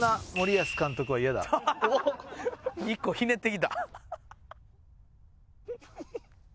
一個ひねってきた。